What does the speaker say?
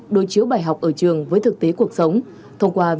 đối chiếu bài học ở trường với thực tế cuộc sống